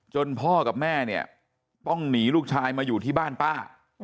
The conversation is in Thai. พ่อกับแม่เนี่ยต้องหนีลูกชายมาอยู่ที่บ้านป้า